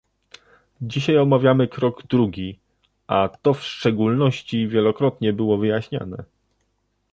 Dzisiaj omawiamy krok drugi, a to w szczególności wielokrotnie było wyjaśniane